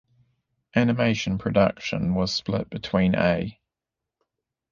Animation production was split between A.